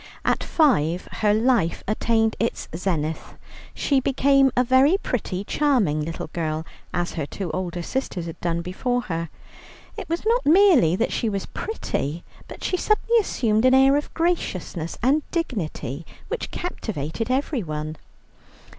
At five her life attained its zenith. She became a very pretty, charming little girl, as her two elder sisters had done before her. It was not merely that she was pretty, but she suddenly assumed an air of graciousness and dignity which captivated everyone.